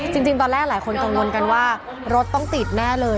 จริงตอนแรกหลายคนกังวลกันว่ารถต้องติดแน่เลย